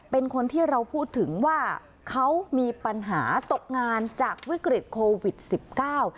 เป็นคนที่เราพูดถึงว่าเขามีปัญหาตกงานจากวิกฤตโควิดสิบเก้า